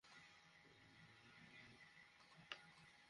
Please আসুন, madam.